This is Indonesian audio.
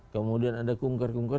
kemudian ada kunker kungker